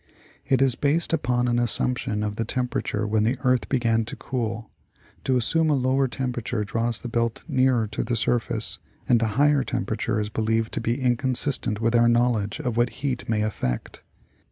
It is based upon an assumption of the temperature when the earth began to cool, to assume a lower temperature draws the belt nearer to the surface and a higher temperature is believed to be inconsistent with our knowledge of what heat may effect.